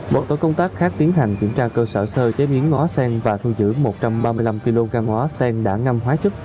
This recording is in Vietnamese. một tổ công tác khác tiến hành kiểm tra cơ sở sơ chế biến ngó sen và thu giữ một trăm ba mươi năm kg hóa sen đã ngâm hóa chất